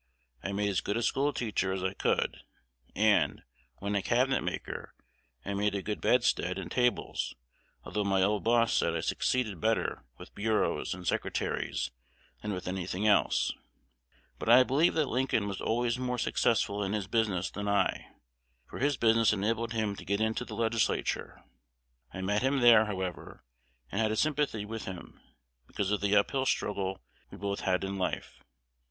I made as good a school teacher as I could; and, when a cabinet maker, I made a good bedstead and tables, although my old boss said I succeeded better with bureaus and secretaries than with any thing else; but I believe that Lincoln was always more successful in business than I, for his business enabled him to get into the Legislature. I met him there, however, and had a sympathy with him, because of the up hill struggle we both had in life.